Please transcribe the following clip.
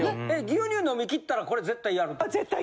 牛乳飲み切ったらこれ絶対やるってこと？